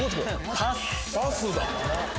パスだ。